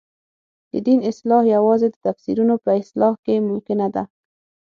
د دین اصلاح یوازې د تفسیرونو په اصلاح کې ممکنه ده.